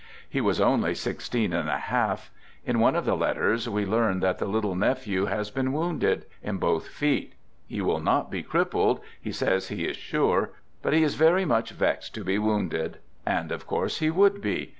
He was only six teen and a half. In one of the letters we learn that the little nephew has been wounded — in both feet. He will not be crippled —" he says he is sure "; but he is " very much vexed to be wounded." And, of course, he would be!